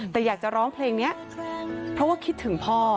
แต่อยากจะร้องเพลงนี้เพราะว่าคิดถึงพ่อ